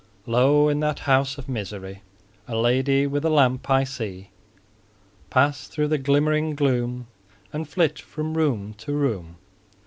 Lo! in that house of misery A lady with a lamp I see Pass through the glimmering gloom, And flit from room to room.